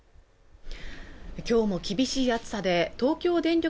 今日も厳しい暑さで東京電力